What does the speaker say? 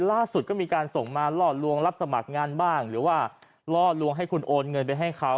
ล่าสุดก็มีการส่งมาล่อลวงรับสมัครงานบ้างหรือว่าล่อลวงให้คุณโอนเงินไปให้เขา